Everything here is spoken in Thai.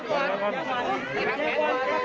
เตี๋ยวก่อนเตี๋ยวก่อนเตี๋ยวก่อน